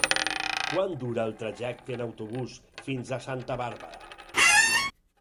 Quant dura el trajecte en autobús fins a Santa Bàrbara?